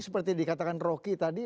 seperti dikatakan rocky tadi